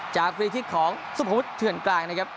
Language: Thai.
จากนาฬิกาจากสุมพะพุทธเทือนกลางนะครับ